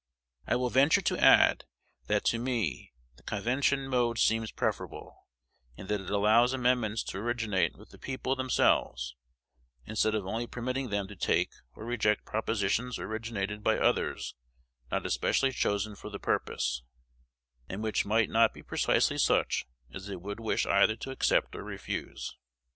I will venture to add, that to me the convention mode seems preferable, in that it allows amendments to originate with the people themselves, instead of only permitting them to take or reject propositions originated by others not especially chosen for the purpose, and which might not be precisely such as they would wish either to accept or refuse.